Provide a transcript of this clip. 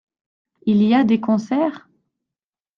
Il y a des concerts ?